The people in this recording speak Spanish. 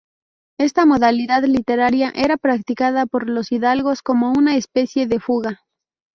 Esta modalidad literaria era practicada por los hidalgos como una especie de fuga.